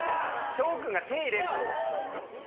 翔くんが手入れると。